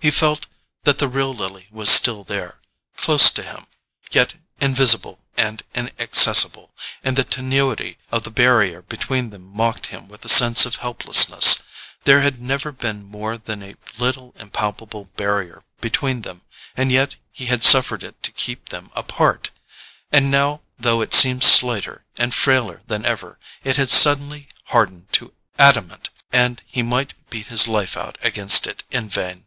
He felt that the real Lily was still there, close to him, yet invisible and inaccessible; and the tenuity of the barrier between them mocked him with a sense of helplessness. There had never been more than a little impalpable barrier between them—and yet he had suffered it to keep them apart! And now, though it seemed slighter and frailer than ever, it had suddenly hardened to adamant, and he might beat his life out against it in vain.